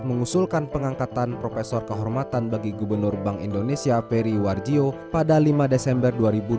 mengusulkan pengangkatan profesor kehormatan bagi gubernur bank indonesia peri warjio pada lima desember dua ribu dua puluh